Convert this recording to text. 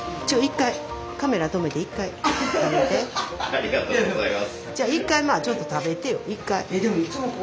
ありがとうございます。